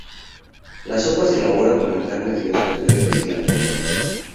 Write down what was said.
La sopa se elabora con la carne de los cangrejos y langostas.